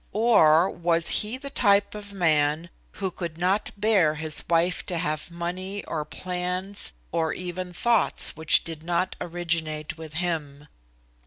Or was he the type of man who could not bear his wife to have money or plans or even thoughts which did not originate with him?